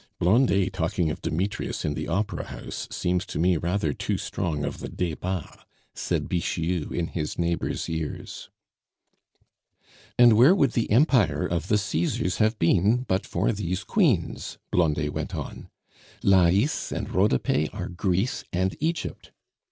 "Blondet talking of Demetrius in the opera house seems to me rather too strong of the Debats," said Bixiou in his neighbor's ears. "And where would the empire of the Caesars have been but for these queens?" Blondet went on; "Lais and Rhodope are Greece and Egypt.